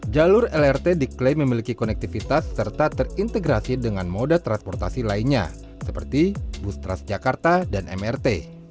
jalur lrt diklaim memiliki konektivitas serta terintegrasi dengan moda transportasi lainnya seperti bus transjakarta dan mrt